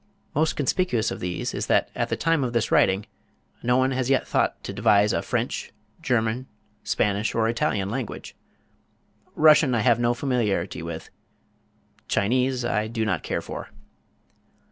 Most conspicuous of these is that at the time of this writing no one has as yet thought to devise a French, German, Spanish or Italian language. Russian I have no familiarity with. Chinese I do not care for.